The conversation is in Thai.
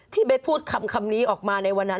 เบสพูดคำนี้ออกมาในวันนั้น